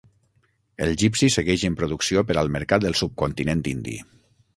El Gypsy segueix en producció per al mercat del subcontinent indi.